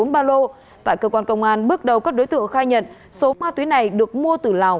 bốn ba lô tại cơ quan công an bước đầu các đối tượng khai nhận số ma túy này được mua từ lào